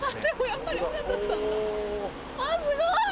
すごい！